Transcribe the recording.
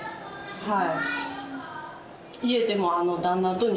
はい。